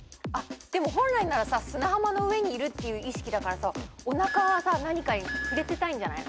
でも本来ならさ砂浜の上にいるっていう意識だからさおなかはさ何かに触れてたいんじゃない？